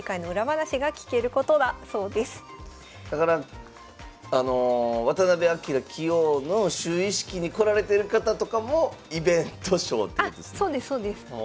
だからあの渡辺明棋王の就位式に来られてる方とかもイベント将っていうんですね？